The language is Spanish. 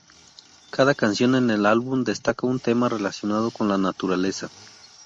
Cada canción en el álbum destaca un tema relacionado con la naturaleza.